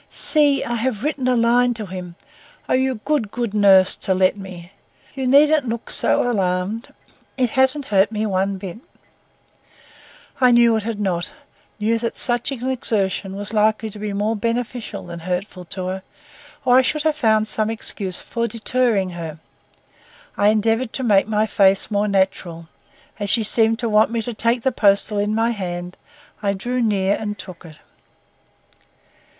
"See! I have written a line to him! Oh, you good, good nurse, to let me! You needn't look so alarmed. It hasn't hurt me one bit." I knew that it had not; knew that such an exertion was likely to be more beneficial than hurtful to her, or I should have found some excuse for deterring her. I endeavored to make my face more natural. As she seemed to want me to take the postal in my hand I drew near and took it.